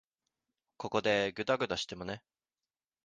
ここでぐだぐだしてもね。